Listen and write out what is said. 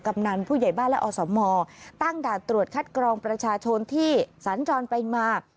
กำนันผู้ใหญ่บ้านและอสมตั้งด่านตรวจคัดกรองประชาชนที่สัญจรไปมา